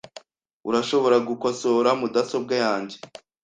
Urashobora gukosora mudasobwa yanjye?